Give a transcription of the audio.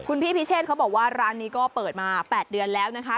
คุณพี่พิเชษเขาบอกว่าร้านนี้ก็เปิดมา๘เดือนแล้วนะคะ